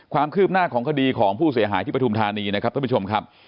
ความคืบหน้าของคดีของผู้เสียหายที่ปฐุมธานีนะครับท่านผู้ชมครับ